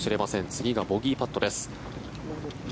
次がボギーパットです。